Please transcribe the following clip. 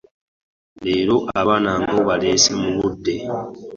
Leero abaana nga obaleese mu budde.